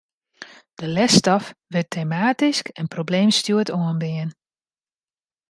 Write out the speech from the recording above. De lesstof wurdt tematysk en probleemstjoerd oanbean.